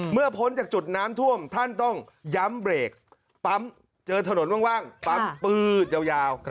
พ้นจากจุดน้ำท่วมท่านต้องย้ำเบรกปั๊มเจอถนนว่างปั๊มปื๊ดยาว